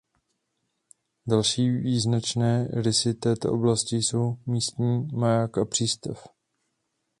Další význačné rysy této oblasti jsou místní maják a přístav.